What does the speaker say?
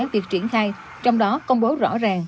việc triển khai trong đó công bố rõ ràng